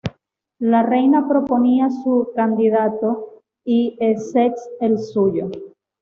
La reina proponía su candidato y Essex el suyo.